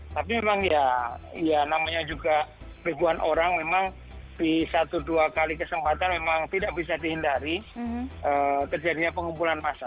tapi memang ya namanya juga ribuan orang memang di satu dua kali kesempatan memang tidak bisa dihindari terjadinya pengumpulan massa